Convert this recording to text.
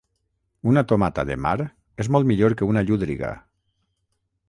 Una tomata de mar és molt millor que una llúdriga